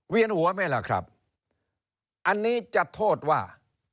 หัวไหมล่ะครับอันนี้จะโทษว่า